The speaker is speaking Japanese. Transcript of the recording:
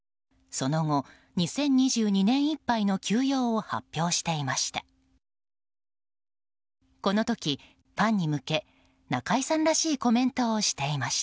その後、２０２２年いっぱいの休養を発表していました。